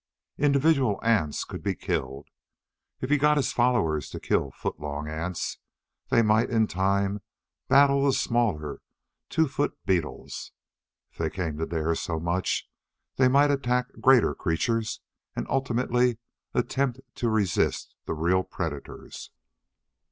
Individual ants could be killed. If he got his followers to kill foot long ants, they might in time battle the smaller, two foot beetles. If they came to dare so much, they might attack greater creatures and ultimately attempt to resist the real predators.